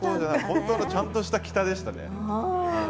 本当のちゃんとした北でしたね。